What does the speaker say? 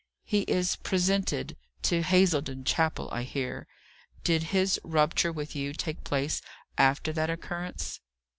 "He is presented to Hazeldon Chapel, I hear. Did his rupture with you take place after that occurrence?"